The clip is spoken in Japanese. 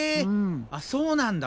あっそうなんだ。